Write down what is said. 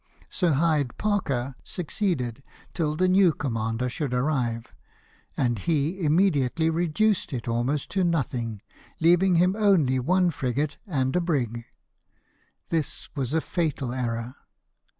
Sir Hyde Parker succeeded till the new commander should arrive ; and he immediately re duced it almost to nothing, leaving him only one frigate and a brig. This was a fatal error.